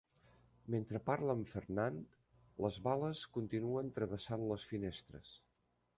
Mentre parla amb Fernand, les bales continuen travessant les finestres.